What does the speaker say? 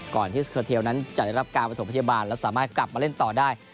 ก่อนที่เขาเที่ยวนั้นจัดรับการไปถูกพฤศบาลแล้วสามารถกลับมาเล่นต่อได้